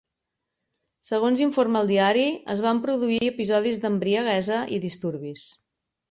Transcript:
Segons informa el diari, es van produir episodis d'embriaguesa i disturbis.